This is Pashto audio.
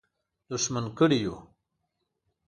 دښمن کړي یو.